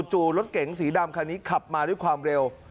จู่รถเก๋งสีดำคันนี้ขับมาด้วยความเร็ว